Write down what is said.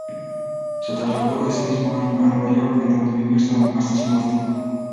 Se trasladó ese mismo año a Nueva York en donde vivió hasta su muerte.